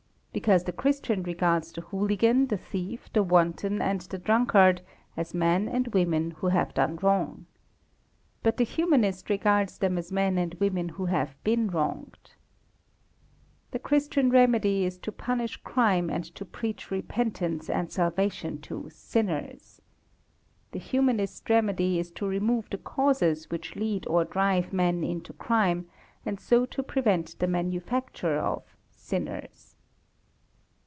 Because the Christian regards the hooligan, the thief, the wanton, and the drunkard as men and women who have done wrong. But the Humanist regards them as men and women who have been wronged. The Christian remedy is to punish crime and to preach repentance and salvation to "sinners." The Humanist remedy is to remove the causes which lead or drive men into crime, and so to prevent the manufacture of "sinners."